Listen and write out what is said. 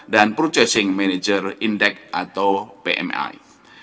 dan purchasing manager index atau pmi